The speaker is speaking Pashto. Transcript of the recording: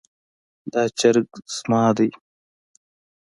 دا چرګ زما ده